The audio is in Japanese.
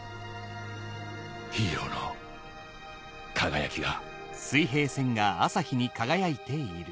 ヒーローの輝きが。